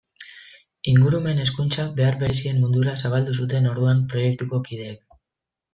Ingurumen hezkuntza behar berezien mundura zabaldu zuten orduan proiektuko kideek.